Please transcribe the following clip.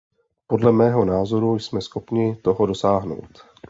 Podle mého názoru jsme schopni toho dosáhnout.